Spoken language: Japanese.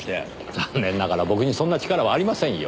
残念ながら僕にそんな力はありませんよ。